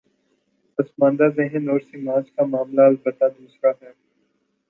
پس ماندہ ذہن اور سماج کا معاملہ البتہ دوسرا ہے۔